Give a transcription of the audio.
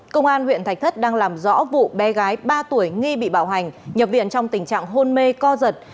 công an huyện thạch thất đang làm rõ vụ bé gái ba tuổi nghi bị bạo hành nhập viện trong tình trạng hôn mê co giật